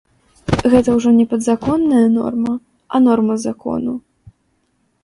Гэта ўжо не падзаконная норма, а норма закону.